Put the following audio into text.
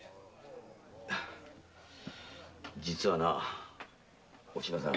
実はなお品さん。